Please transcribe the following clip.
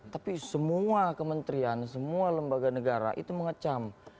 tapi semua kementerian semua lembaga negara itu mengecam